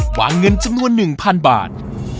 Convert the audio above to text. หวานเงินจำนวนหนึ่งพันบาท